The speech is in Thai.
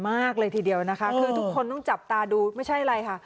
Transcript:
มากเลยทีเดียวนะคะคือทุกคนต้องจับตาดูไม่ใช่อะไรค่ะ